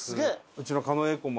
うちの狩野英孝も。